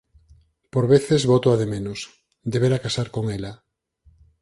Por veces bótoa de menos: debera casar con ela.